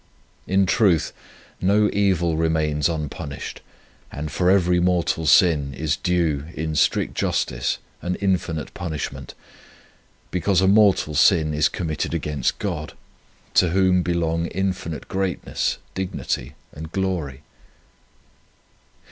In truth, no evil remains un punished, and for every mortal sin is due, in strict justice, an infinite punishment, because a mortal sin is committed against God, to Whom 1 2 Cor. iii. 5. 107 On Union with God belong infinite greatness, dignity, and glory.